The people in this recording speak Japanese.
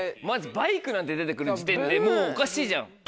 マジバイクなんて出て来る時点でもうおかしいじゃん。